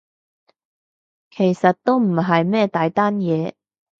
其實都唔係咩大單嘢